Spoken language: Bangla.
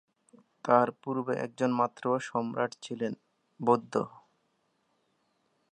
তার পূর্বে একজন মাত্র সম্রাট ছিলেন, বৌদ্ধ।